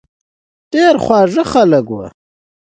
ډېر خواږه خلک وو.